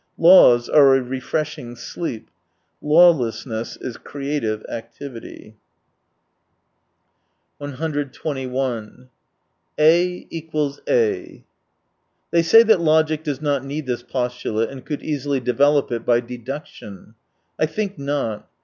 Laws are a refreshing sleep — lawlessness is creative activity. 127 121 A = A. — They say that logic does not need this postulate, and could easily develop it by deduction. I think not.